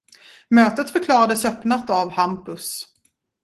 Mötet förklarades öppnat av Hampus.